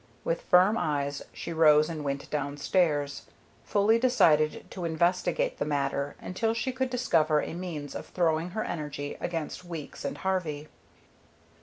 With firm eyes she rose and went downstairs, fully decided to investigate the matter until she could discover a means of throwing her energy against Weeks and Harvey.